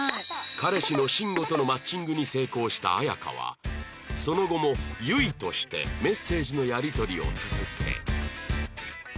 彼氏のシンゴとのマッチングに成功したアヤカはその後もユイとしてメッセージのやり取りを続け